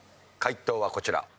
解答はこちら。